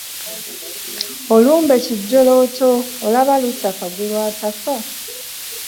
Olumbe kijjolooto olaba lutta kagulu atafa .